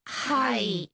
はい。